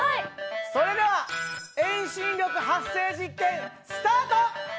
それでは遠心力発生実験スタート！